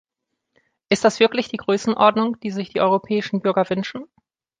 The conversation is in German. Ist das wirklich die Größenordnung, die sich die europäischen Bürger wünschen?